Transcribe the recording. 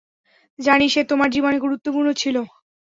জানি সে তোমার জীবনে গুরুত্বপূর্ণ ছিল।